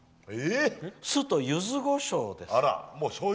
酢とゆずごしょうです」。